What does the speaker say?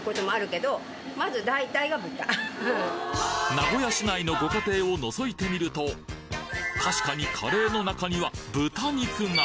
名古屋市内のご家庭を覗いてみると確かにカレーの中には豚肉が。